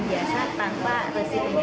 sudah sempat ada yang dikirim juga